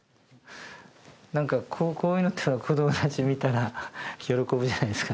なんかこういうのって子どもたちが見たら喜ぶじゃないですか。